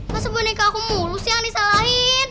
masa boneka aku mulus yang disalahin